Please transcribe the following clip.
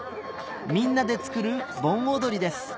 みんなでつくる盆踊りです